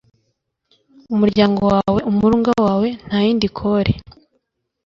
umuryango wawe umurunga wawe ntayindi kole